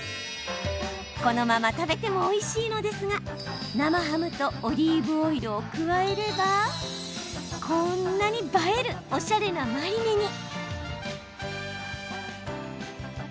このまま食べてもおいしいのですが生ハムとオリーブオイルを加えれば、こんなに映えるおしゃれなマリネに。